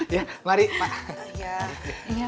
ya mari pak